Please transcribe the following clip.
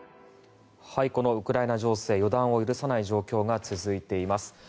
このウクライナ情勢予断を許さない状況が続いています。